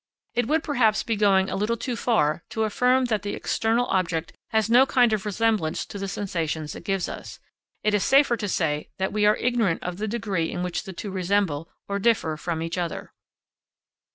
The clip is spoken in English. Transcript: It would perhaps be going a little too far to affirm that the external object has no kind of resemblance to the sensations it gives us. It is safer to say that we are ignorant of the degree in which the two resemble or differ from each other.